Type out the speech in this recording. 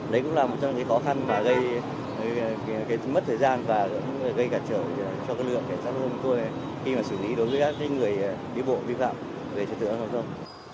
đấy cũng là một trong những khó khăn mà gây mất thời gian và gây gạt trở cho lượng cảnh sát giao thông của tôi khi mà xử lý đối với các người đi bộ vi phạm về trường tượng hà nội